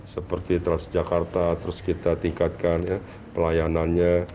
seperti tarif jakarta terus kita tingkatkan pelayanannya